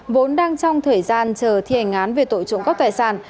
vốn đang trong thời gian chờ thi hành án về tội trộm cắp tài sản